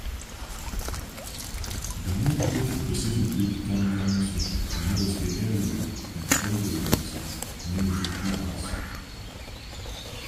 The nonprofit Pacific Beach Town Council promotes the area and organizes community events.